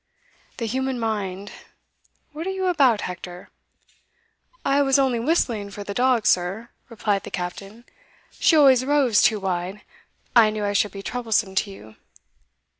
The human mind what are you about, Hector?" "I was only whistling for the dog, sir," replied the Captain "she always roves too wide I knew I should be troublesome to you."